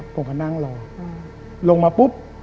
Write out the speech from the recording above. ผมก็นั่งรอลงมาปุ๊บ